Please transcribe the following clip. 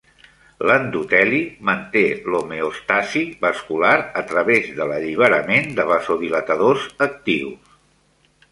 L'endoteli manté l'homeòstasi vascular a través de l'alliberament de vasodilatadors actius.